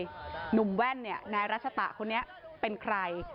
หนุ่มแว่นเนี่ยในรัชฎาคุณเนี่ยเป็นใคร